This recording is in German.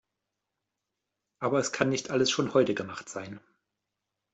Aber es kann nicht alles schon heute gemacht sein.